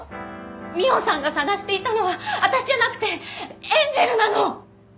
美緒さんが捜していたのは私じゃなくてエンジェルなの！